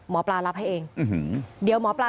อาการชัดเลยนะคะหมอปลา